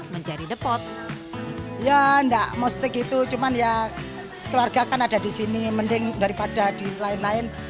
menjadi depot ya enggak mau stik itu cuman ya sekeluarga kan ada di sini mending daripada di lain lain